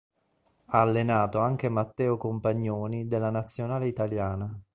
Ha allenato anche Matteo Compagnoni della nazionale italiana.